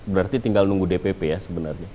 berarti tinggal nunggu dpp ya sebenarnya